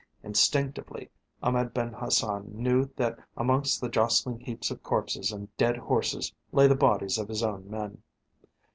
Instinctively Ahmed Ben Hassan knew that amongst the jostling heaps of corpses and dead horses lay the bodies of his own men.